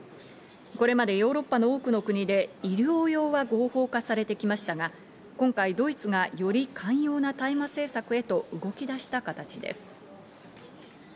これまでヨーロッパの多くの国で医療用が合法化されてきましたが、今回、ドイツがより寛容な大麻政策へと動き出した形です。